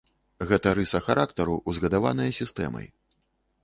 Гэта рыса характару, узгадаваная сістэмай.